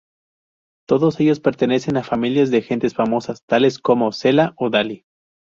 Todos ellos pertenecen a familias de gentes famosas, tales como "Cela" o "Dalí".